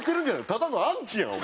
ただのアンチやんお前。